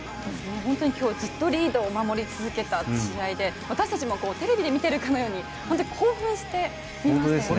今日、ずっとリードを守り続けた試合で私たちもテレビで見ているかのように興奮して見ましたよね。